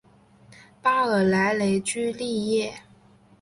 巴尔莱雷居利耶。